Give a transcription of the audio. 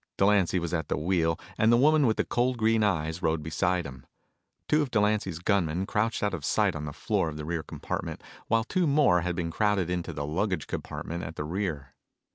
Delancy was at the wheel and the woman with the cold green eyes rode beside him. Two of Delancy's gunmen crouched out of sight on the floor of the rear compartment while two more had been crowded into the luggage compartment at the rear.